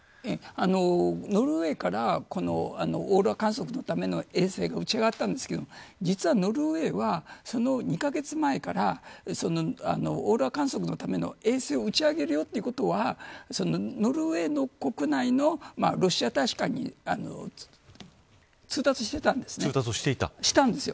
ノルウェーからオーロラ観測のための衛星が打ち上がったんですけど実は、ノルウェーはその２カ月前からオーロラ観測のための衛星を打ち上げるよということはノルウェーの国内のロシア大使館に通達していたんです。